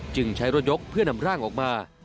ใช้รถยกเพื่อนำร่างออกมา